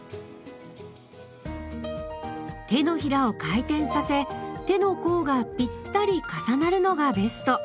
手のひらを回転させ手の甲がぴったり重なるのがベスト。